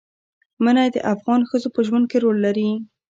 منی د افغان ښځو په ژوند کې رول لري.